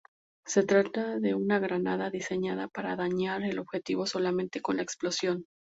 Se trata de una granada diseñada para dañar el objetivo solamente con la explosión.